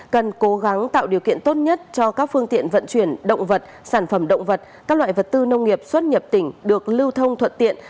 cần cố gắng tạo điều kiện tốt nhất cho các phương tiện vận chuyển động vật sản phẩm động vật các loại vật tư nông nghiệp xuất nhập tỉnh được lưu thông thuận tiện